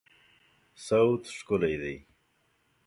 صوت ښکلی دی